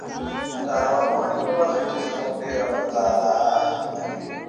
د ارواپوهنې په برخه کې زموږ ډېری مطالعه